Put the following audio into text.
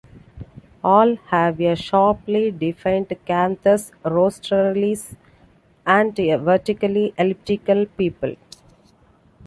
All have a sharply defined canthus rostralis and a vertically elliptical pupil.